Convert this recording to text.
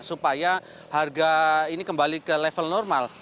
supaya harga ini kembali ke level normal